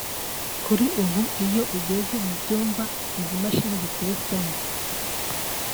Kuri ubu iyo ugeze mu byumba izi mashini ziteretsemo